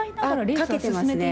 かけてますね。